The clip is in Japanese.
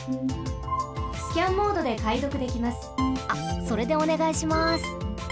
あっそれでおねがいします。